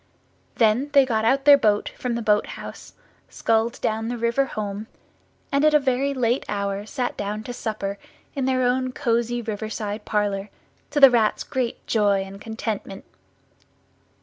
Then they got out their boat from the boat house, sculled down the river home, and at a very late hour sat down to supper in their own cosy riverside parlour, to the Rat's great joy and contentment.